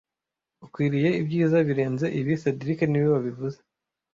Ukwiriye ibyiza birenze ibi cedric niwe wabivuze